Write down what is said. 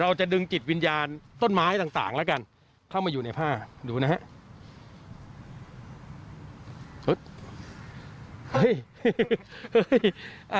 เราจะดึงจิตวิญญาณต้นไม้ต่างแล้วกันเข้ามาอยู่ในผ้าดูนะฮะ